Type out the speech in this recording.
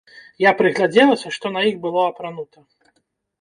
Я прыглядзелася, што на іх было апранута.